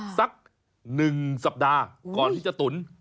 สัก๑สัปดาห์ก่อนที่จะตุ๋น